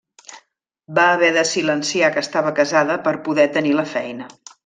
Va haver de silenciar que estava casada per poder tenir la feina.